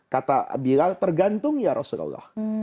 kata bilal tergantung ya rasulullah